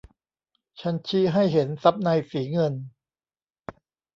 ฉันชี้ให้เห็นซับในสีเงิน